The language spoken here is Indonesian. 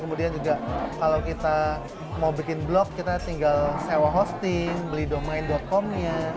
kemudian juga kalau kita mau bikin blog kita tinggal sewa hosting beli domain comnya